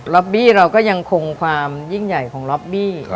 บี้เราก็ยังคงความยิ่งใหญ่ของล็อบบี้